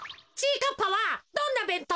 かっぱはどんなべんとう？